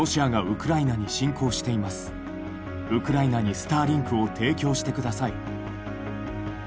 ウクライナにスターリンクを提供してください！」。